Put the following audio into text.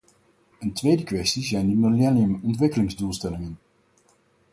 Een tweede kwestie zijn de millenniumontwikkelingsdoelstellingen.